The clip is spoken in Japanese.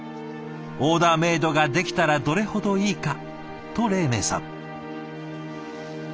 オーダーメードができたらどれほどいいかと黎明さん。